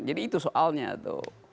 jadi itu soalnya tuh